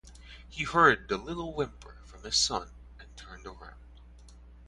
He heard the little whimper from his son and turned around.